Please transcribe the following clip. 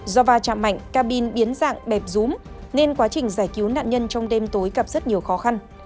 do va chạm mạnh cabin biến dạng đẹp rúm nên quá trình giải cứu nạn nhân trong đêm tối gặp rất nhiều khó khăn